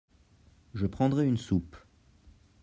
Je pendrai une soupe.